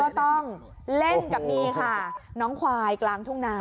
ต้องเล่นกับนี่ค่ะน้องควายกลางทุ่งนา